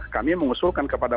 kami mengusulkan kepada